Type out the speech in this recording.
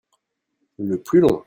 Le plus long.